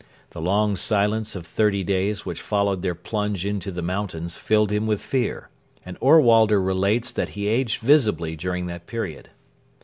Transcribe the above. The long silence of thirty days which followed their plunge into the mountains filled him with fear, and Ohrwalder relates that he 'aged visibly' during that period.